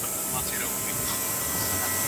تاسي کولای شئ هره ورځ نیم ساعت منډې ووهئ.